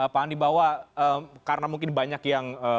pak andi bahwa karena mungkin banyak yang